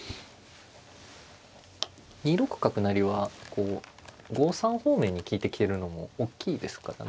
２六角成は５三方面に利いてきてるのもおっきいですからね。